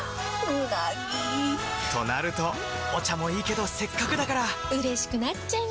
うなぎ！となるとお茶もいいけどせっかくだからうれしくなっちゃいますか！